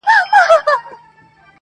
ته یې کاږه زموږ لپاره خدای عادل دی.